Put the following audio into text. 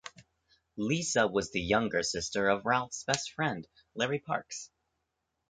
Lisa was the younger sister of Ralph's best friend, Larry Parks.